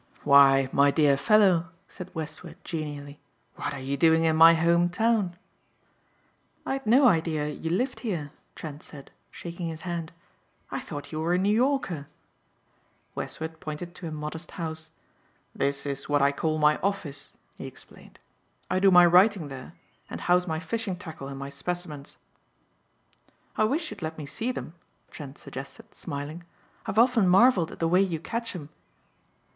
"Why, my dear fellow," said Westward genially, "what are you doing in my home town?" "I'd no idea you lived here," Trent said, shaking his hand. "I thought you were a New Yorker." Westward pointed to a modest house. "This is what I call my office," he explained. "I do my writing there and house my fishing tackle and my specimens." "I wish you'd let me see them," Trent suggested smiling. "I've often marveled at the way you catch 'em."